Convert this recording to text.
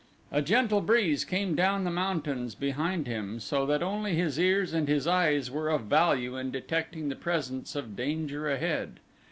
A gentle breeze came down from the mountains behind him so that only his ears and his eyes were of value in detecting the presence of danger ahead.